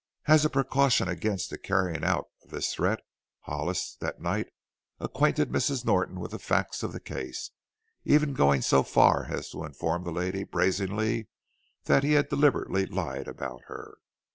As a precaution against the carrying out of this threat, Hollis that night acquainted Mrs. Norton with the facts in the case, even going so far as to inform the lady brazenly that he had deliberately lied about her.